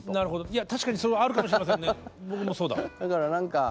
いや確かにそれはあるかもしれませんね